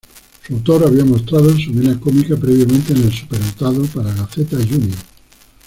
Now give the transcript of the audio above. Su autor había mostrado su vena cómica previamente en "El superdotado", para "Gaceta Junior".